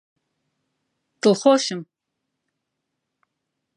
دڵخۆشم!